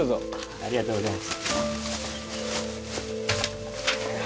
ありがとうございます。